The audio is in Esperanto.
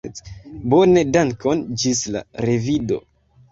Bone, dankon; ĝis la revido.